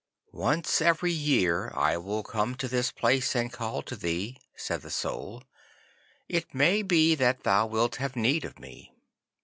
'Once every year I will come to this place, and call to thee,' said the Soul. 'It may be that thou wilt have need of me.